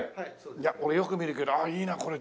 いや俺よく見るけどああいいなこれ。